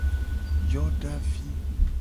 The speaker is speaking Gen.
Yodavi.